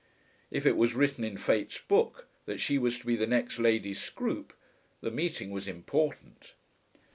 If it was written in Fate's book that she was to be the next Lady Scroope, the meeting was important.